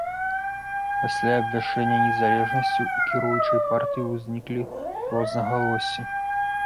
Пасля абвяшчэння незалежнасці, у кіруючай партыі ўзніклі рознагалоссі.